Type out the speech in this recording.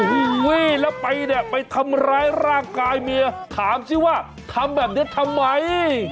โอ้โหแล้วไปเนี่ยไปทำร้ายร่างกายเมียถามสิว่าทำแบบนี้ทำไม